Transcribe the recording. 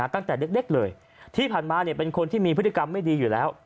ตั้งแต่เล็กเลยที่ผ่านมาเป็นคนที่มีพฤติกรรมไม่ดีอยู่แล้ว